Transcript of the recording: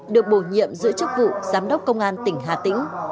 được bổ nhiệm giữ chức vụ giám đốc công an tỉnh hà tĩnh